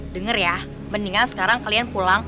dengar ya mendingan sekarang kalian pulang